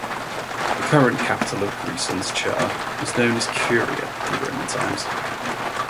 The current capital of Grisons, Chur, was known as Curia in Roman times.